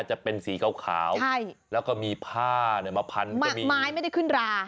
จะเป็นสีขาวแล้วก็มีผ้ามาพันไม้ไม่ได้ขึ้นรา